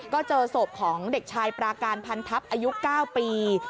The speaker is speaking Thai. ก็เจอศพของเด็กชายปราการพันทัพอายุ๙ปี